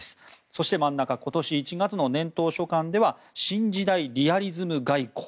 そして真ん中今年１月の年頭所感では新時代リアリズム外交。